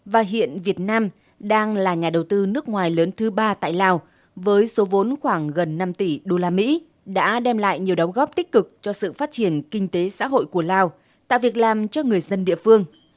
và hiện việt nam đang là nhà đầu tư nước ngoài lớn thứ ba tại lào với số vốn khoảng gần năm tỷ usd đã đem lại nhiều đóng góp tích cực cho sự phát triển kinh tế xã hội của lào tạo việc làm cho người dân địa phương